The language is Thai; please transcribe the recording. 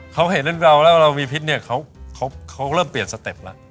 เขาเห็นเราแล้วเรามีพิษเนี่ยเขาเริ่มเปลี่ยนสเต็ปแล้ว